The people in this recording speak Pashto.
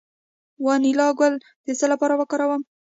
د وانیلا ګل د څه لپاره وکاروم؟